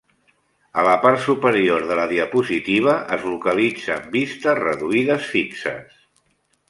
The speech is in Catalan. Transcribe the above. A la part superior de la diapositiva es localitzen vistes reduïdes fixes.